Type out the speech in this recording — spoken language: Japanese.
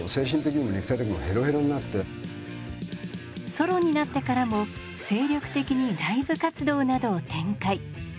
ソロになってからも精力的にライブ活動などを展開。